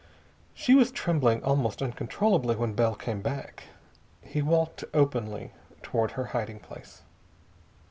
She was trembling almost uncontrollably when Bell came back. He walked openly toward her hiding place.